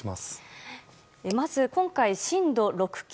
まず今回、震度６強。